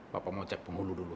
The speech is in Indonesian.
bapak mau cek penghulu dulu